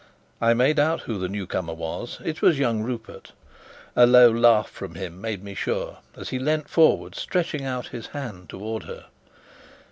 I made out who the newcomer was: it was young Rupert. A low laugh from him made me sure, as he leant forward, stretching out his hand towards her.